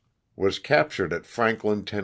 Was captured at Frank lin, Tenn.